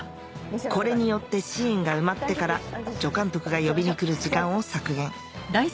これによってシーンが埋まってから助監督が呼びに来る時間を削減